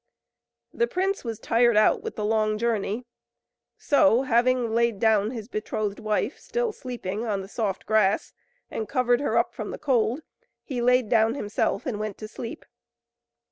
The prince was tired out with the long journey, so, having laid down his betrothed wife, still sleeping, on the soft grass, and covered her up from the cold, he laid down himself and went to sleep.